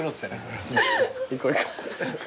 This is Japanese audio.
行こう行こう。